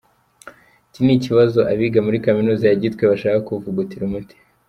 Iki ni ikibazo abiga muri kaminuza ya Gitwe bashaka kuvugutira umuti.